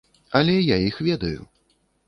Але я іх ведаю.